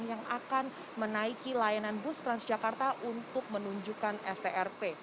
yang akan menaiki layanan bus transjakarta untuk menunjukkan strp